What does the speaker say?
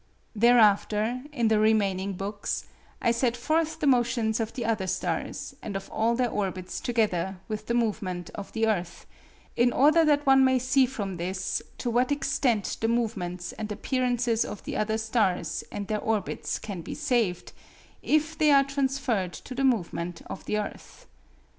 Thereafter in the remaining books, I set forth the motions of the other stars and of all their orbits together with the movement of the Earth, in order that one may see from this to what extent the movements and appearances of the other stars and their orbits can be saved, if they are transferred to the movement of the Earth.